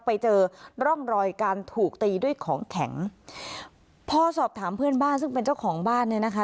ไปเจอร่องรอยการถูกตีด้วยของแข็งพอสอบถามเพื่อนบ้านซึ่งเป็นเจ้าของบ้านเนี่ยนะคะ